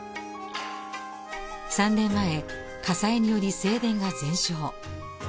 ３年前火災により正殿が全焼。